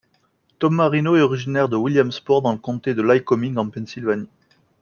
Tom Marino est originaire de Williamsport, dans le comté de Lycoming en Pennsylvanie.